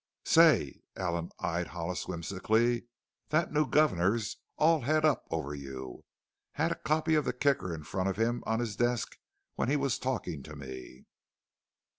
"Say!" Allen eyed Hollis whimsically; "that new governor's all het up over you! Had a copy of the Kicker in front of him on his desk when he was talkin' to me.